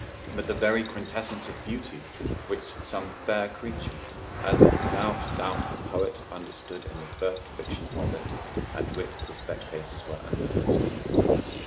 but the very quintessence of beauty, some fair creature, as without doubt the poet understood in the first fiction of it, at which the spectators were amazed.